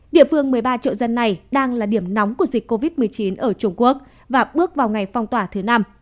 địa phương một mươi ba triệu dân này đang là điểm nóng của dịch covid một mươi chín ở trung quốc và bước vào ngày phong tỏa thứ năm